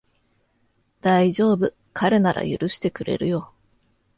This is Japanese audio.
だいじょうぶ、彼なら許してくれるよ